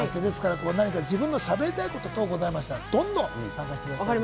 何か自分がしゃべりたいことがございましたら、どんどんと参加してください。